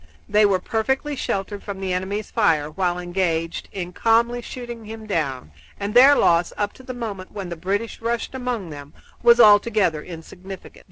They were perfectly sheltered from the enemy's fire while engaged in calmly shooting him down, and their loss, up to the moment when the British rushed among them, was altogether insignificant.